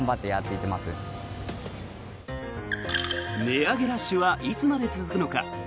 値上げラッシュはいつまで続くのか。